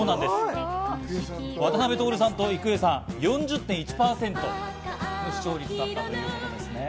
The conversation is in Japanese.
渡辺徹さんと郁恵さん、４０．１％の視聴率だったということです。